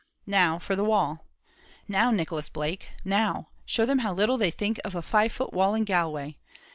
Now for the wall. "Now, Nicholas Blake, now, show them how little they think of a five foot wall in Galway.